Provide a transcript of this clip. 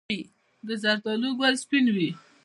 د زردالو ګل سپین وي؟